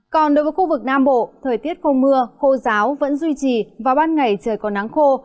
còn đối với khu vực nam bộ thời tiết không mưa khô giáo vẫn duy trì và ban ngày trời có nắng khô